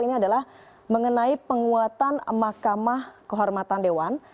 ini adalah mengenai penguatan makamah kehormatan dewan